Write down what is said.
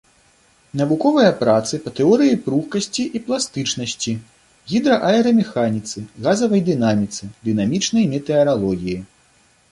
Навуковыя працы па тэорыі пругкасці і пластычнасці, гідрааэрамеханіцы, газавай дынаміцы, дынамічнай метэаралогіі.